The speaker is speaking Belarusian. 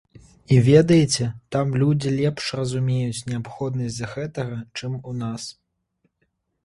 І ведаеце, там людзі лепш разумеюць неабходнасць гэтага, чым у нас.